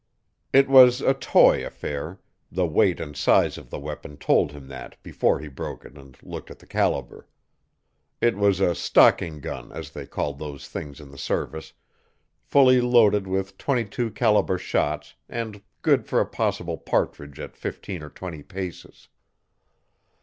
It was a toy affair. The weight and size of the weapon told him that before he broke it and looked at the caliber. It was a "stocking" gun as they called those things in the service, fully loaded with .22 caliber shots and good for a possible partridge at fifteen or twenty paces.